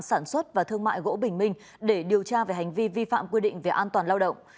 sản xuất và thương mại gỗ bình minh để điều tra về hành vi vi phạm quy định về an toàn lao động